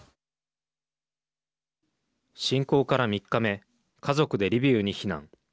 侵攻から３日目家族でリビウに避難。